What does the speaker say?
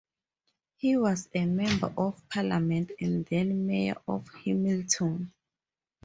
He was a Member of Parliament and then Mayor of Hamilton.